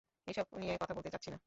এসব নিয়ে কথা বলতে চাচ্ছি না।